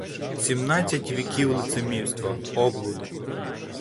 Сімнадцять віків лицемірства, облуди.